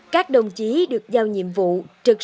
các đồng chí được giao nhiệm vụ trực sản